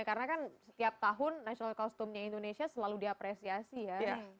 karena kan setiap tahun national costume nya indonesia selalu diapresiasi ya